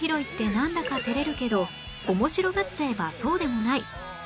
なんだか照れるけど面白がっちゃえばそうでもない